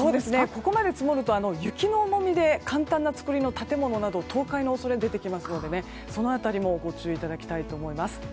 ここまで積もると雪の重みで簡単な造りの建物など倒壊の恐れが出てきますのでその辺りもご注意いただきたいと思います。